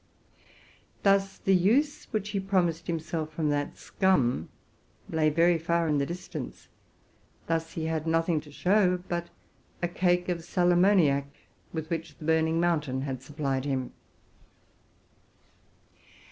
Thus the use to which he hoped to turn that scum lay very far in the dis tance: thus he had nothing to show but a cake of sal ammo niac, with which the Burning Mountain had supplied him.